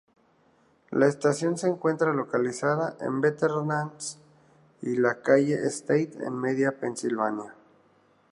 La estación se encuentra localizada en Veterans y la Calle State en Media, Pensilvania.